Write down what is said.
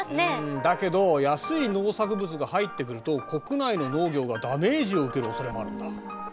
んだけど安い農作物が入ってくると国内の農業がダメージを受けるおそれもあるんだ。